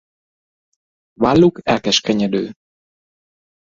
Válluk elkeskenyedő.